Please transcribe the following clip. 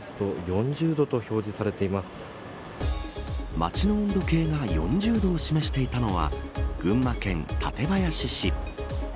街の温度計が４０度を示していたのは群馬県館林市。